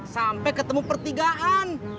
sampai ketemu pertigaan